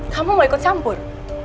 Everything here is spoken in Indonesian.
kamu mau ikut campur